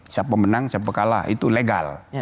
siapa pemenang siapa kalah itu legal